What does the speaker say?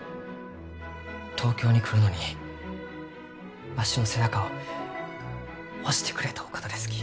東京に来るのにわしの背中を押してくれたお方ですき。